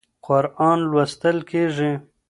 قرآن لوستل کېږي.